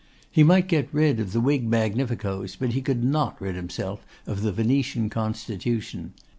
He might get rid of the Whig magnificoes, but he could not rid himself of the Venetian constitution.